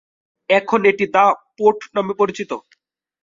এখন এটি the port নামে পরিচিত।